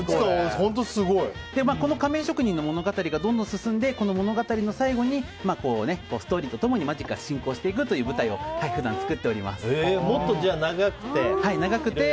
仮面職人の物語がどんどん進んで、物語の最後にストーリーと共にマジックが進行していくという舞台をじゃあもっと長くて。